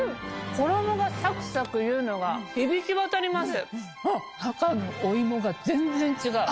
衣がサクサクいうのが響き渡ります。